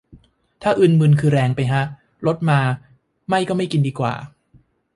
ถ้าอึนมึนคือแรงไปฮะ ลดมา ไม่ก็ไม่กินดีกว่า